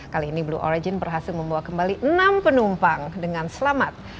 kali ini blue origin berhasil membawa kembali enam penumpang dengan selamat